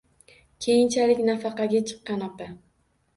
Keyinchalik nafaqaga chiqqan opa.